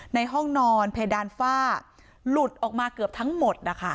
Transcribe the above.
ในห้องนอนเพดานฝ้าหลุดออกมาเกือบทั้งหมดนะคะ